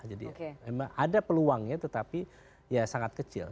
jadi memang ada peluangnya tetapi ya sangat kecil